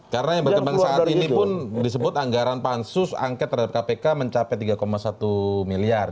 karena yang berkembang saat ini pun disebut anggaran pansus angket terhadap kpk mencapai tiga satu miliar